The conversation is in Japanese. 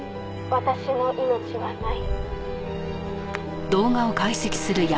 私の命はない」